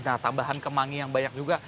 nah tambahan kemangi yang banyak juga